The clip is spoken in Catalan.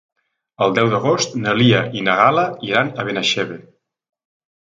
El deu d'agost na Lia i na Gal·la iran a Benaixeve.